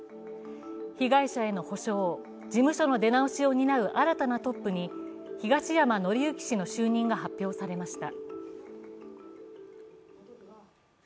被害者への補償、事務所の出直しを担う新たなトップに東山紀之氏の就任が発表されました。